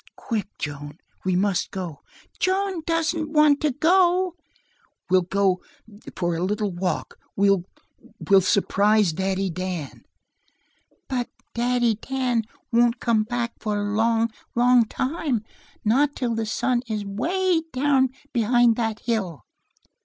"Quick, Joan, we must go!" "Joan doesn't want to go!" "We'll go for a little walk. We we'll surprise Daddy Dan." "But Daddy Dan won't come back for long, long time. Not till the sun is away down behind that hill."